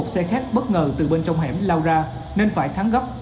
xác bất ngờ từ bên trong hẻm lau ra nên phải thắng gấp